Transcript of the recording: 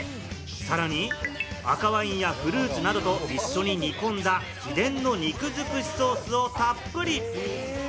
さらに赤ワインやフルーツなどと一緒に煮込んだ、秘伝の肉づくしソースをたっぷり！